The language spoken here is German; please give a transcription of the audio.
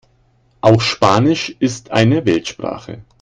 Auch Spanisch ist eine Weltsprache.